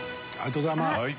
ありがとうございます。